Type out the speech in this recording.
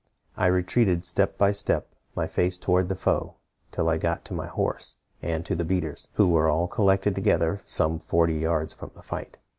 I retreated step by step, my face toward the foe, till I got to my horse, and to the beaters, who were all collected together some forty yards from the fight.